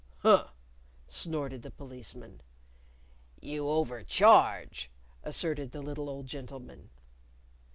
"Huh!" snorted the Policeman. "You overcharge," asserted the little old gentleman.